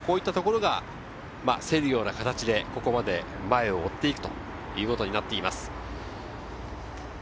駒澤と順天堂、それから創価を帝京、こういったところが、競るような形でここまで前を追っていくということになっています。